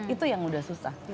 itu yang udah susah